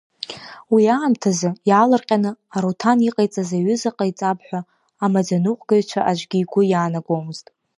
Уи аамҭазы, иаалырҟьаны Аруҭан иҟаиҵаз аҩыза ҟаиҵап ҳәа, амаӡаныҟәгаҩцәа аӡәгьы игәы иаанагомызт.